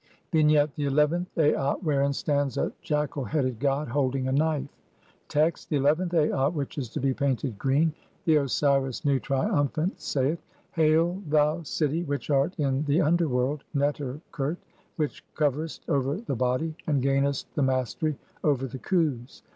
a* XI. Vignette : The eleventh Aat F >\, wherein stands a jackal headed god holding a knife. Text : (1) The eleventh Aat [which is to be painted] green. The Osiris Nu, triumphant, saith :— "Hail, thou city which art in (2) the underworld (Neter "khert), which coverest over the body and gainest the mastery "over the Khus.